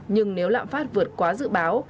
nhưng nếu lạm phát vượt quá dự báo